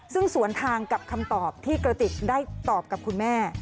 ซึ่งสวนทางกับคำตอบที่กระติกได้ตอบกับคุณแม่